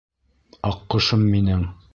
Аҡҡошом минең...